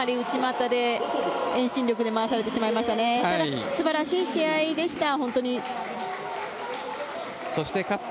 ただ素晴らしい試合でした。